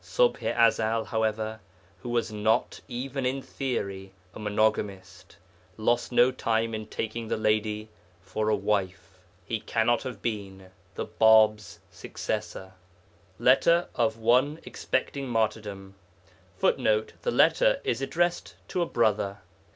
Ṣubḥ i Ezel, however, who was not, even in theory, a monogamist, lost no time in taking the lady for a wife. He cannot have been the Bāb's successor. LETTER OF ONE EXPECTING MARTYRDOM [Footnote: The letter is addressed to a brother.